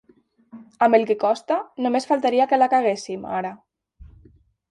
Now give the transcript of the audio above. Amb el que costa, només faltaria que la caguéssim, ara.